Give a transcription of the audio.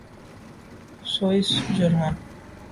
Swiss German